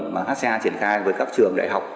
mà hca triển khai với các trường đại học